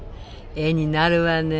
絵になるわね。